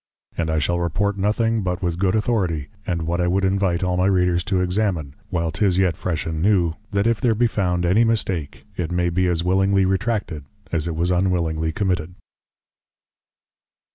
And I shall Report nothing but with Good Authority, and what I would invite all my Readers to examine, while 'tis yet Fresh and New, that if there be found any mistake, it may be as willingly Retracted, as it was unwillingly Committed.